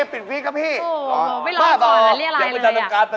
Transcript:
อ้อไปร้องก่อนเรียะอะไร